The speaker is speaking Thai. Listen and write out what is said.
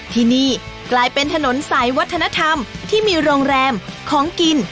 ที่นี่กลายเป็นถนนสายวัฒนธรรมที่มีโรงแรมของกิน